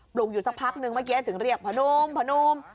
ลูกอยู่สักพักนึงเมื่อกี้ถึงเรียกพนมพนม